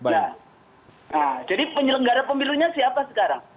nah jadi penyelenggara pemilunya siapa sekarang